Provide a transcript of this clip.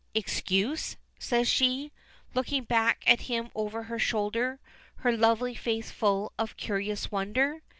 "Excuse?" says she, looking back at him over her shoulder, her lovely face full of curious wonder.